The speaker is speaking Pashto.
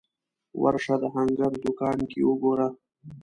ورشه د هنګر دوکان کې وګوره